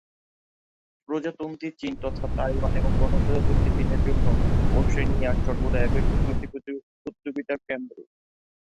প্রজাতন্ত্রী চীন তথা তাইওয়ান এবং গণপ্রজাতন্ত্রী চীনের জন্য ওশেনিয়া সর্বদাই একটি কূটনৈতিক প্রতিযোগিতার কেন্দ্র।